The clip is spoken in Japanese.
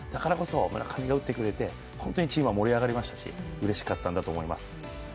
村上が打ってくれてチームは盛り上がりましたし、うれしかったんだと思います。